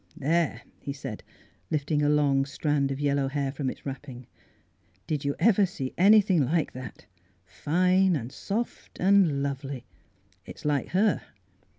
" There 1 " he said, lifting a long strand of yellow hair from its wrapping, " did you ever see anything like that ?— fine and soft and lovely. It's like her."